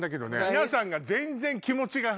皆さんが全然。